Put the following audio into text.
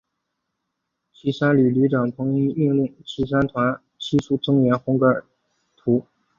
骑三旅旅长彭毓斌命令骑三团悉数增援红格尔图。